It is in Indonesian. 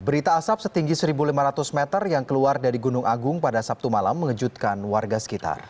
berita asap setinggi satu lima ratus meter yang keluar dari gunung agung pada sabtu malam mengejutkan warga sekitar